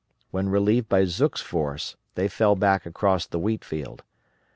When relieved by Zook's force they fell back across the wheat field.